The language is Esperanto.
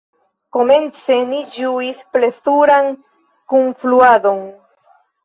Komence ni ĝuis plezuran kunfluadon.